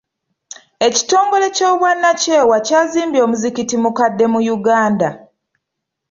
Ekitongole ky'obwannakyewa kyazimbye omuzikiti mukadde mu Uganda.